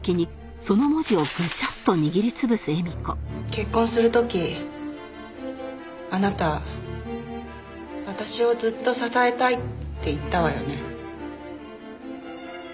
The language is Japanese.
結婚する時あなた私をずっと支えたいって言ったわよね？